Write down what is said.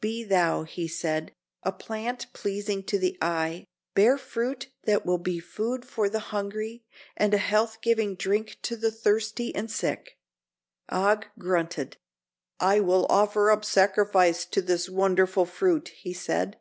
"Be thou," he said, "a plant pleasing to the eye, bear fruit that will be food for the hungry and a health giving drink to the thirsty and sick." Og grunted. "I will offer up sacrifice to this wonderful fruit," he said.